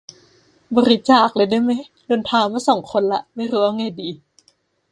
บริจาคเลยได้ไหม โดนท้ามาสองคนละ ไม่รู้เอาไงดี